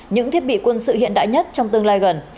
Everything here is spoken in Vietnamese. những thiết bị quân sự hiện đại nhất trong tương lai gần